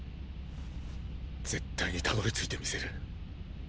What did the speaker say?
絶対に辿り着いてみせる。